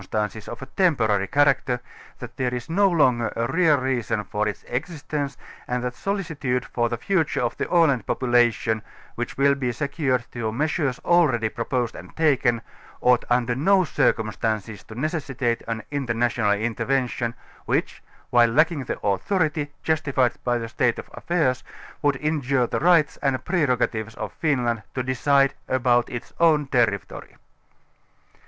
tances of a temporary character, that there is no longer a real reason for its existence and that solicitude for the future of the Aland population, which will be secured through measures 20 already proposed and taken, ought under no circumstances to necessitate an international intervention, which, while lacking the authority, justified by the state of affairs, would injure the rights and prerogatives of Finland to decide about its own territory.